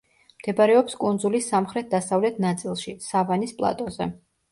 მდებარეობს კუნძულის სამხრეთ-დასავლეთ ნაწილში სავანის პლატოზე.